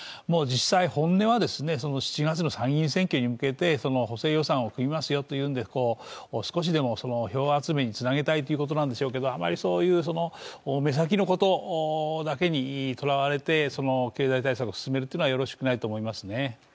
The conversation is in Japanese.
実際、本音は７月の参議院選挙に向けて補正予算を組みますよということで少しでも票集めにつなげたいということなんでしょうけど、あまりそういう目先のことだけにとらわれて経済対策を進めるのは、よろしくないと思いますね。